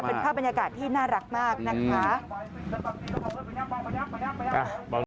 เป็นภาพบรรยากาศที่น่ารักมากนะคะ